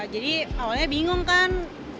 jadi awalnya bingung kan